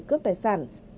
cướp tài sản